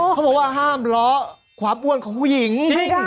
เขาบอกว่าห้ามล้อความอ้วนของผู้หญิงจริง